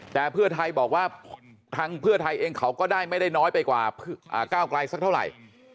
แต่เพื่อไทยบอกว่าทางเพื่อไทยเองเขาก็ได้ไม่ได้น้อยไปกว่าก้าวไกลสักเท่าไหร่